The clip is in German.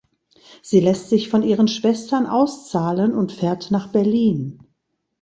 Sie lässt sich von ihren Schwestern auszahlen und fährt nach Berlin.